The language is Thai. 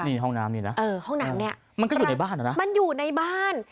นี่ห้องน้ำนี่นะมันก็อยู่ในบ้านเหรอนะมันอยู่ในบ้าน